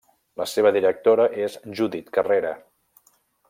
La seva directora és Judit Carrera.